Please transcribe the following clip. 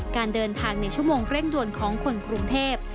การเดินทางในชั่วโมงเร่งด่วนของคนกรุงเทพ